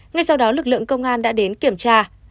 ngay sau đó lực lượng công an đã đến kiểm tra